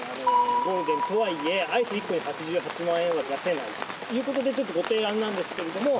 ゴールデンとはいえアイス１個で８８万円は出せないという事でちょっとご提案なんですけれども。